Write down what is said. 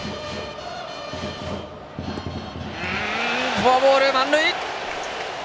フォアボール、満塁！